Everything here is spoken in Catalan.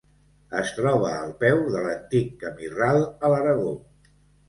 Es troba al peu de l'antic camí ral a l'Aragó.